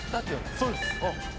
そうです。